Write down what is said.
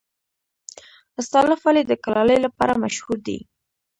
استالف ولې د کلالۍ لپاره مشهور دی؟